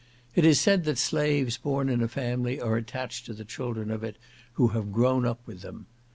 It is said that slaves born in a family are attached to the children of it, who have grown up with them.